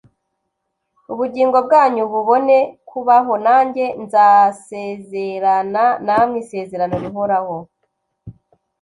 ubugingo bwanyu bubone kubaho; nanjye nzasezerana namwe isezerano rihoraho,